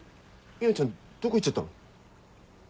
海音ちゃんどこ行っちゃったの？